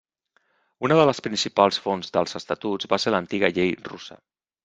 Una de les principals fonts dels estatuts va ser l'antiga llei russa.